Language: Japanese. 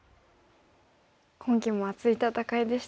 今期も熱い戦いでしたね。